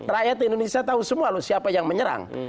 rakyat indonesia tahu semua loh siapa yang menyerang